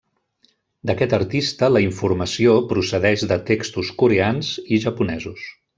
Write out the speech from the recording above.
D'aquest artista la informació procedeix de textos coreans i japonesos.